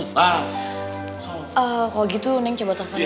kalau gitu neng coba telfon dia